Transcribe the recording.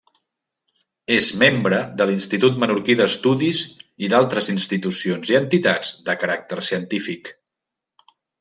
És membre de l'Institut Menorquí d'Estudis i d'altres institucions i entitats de caràcter científic.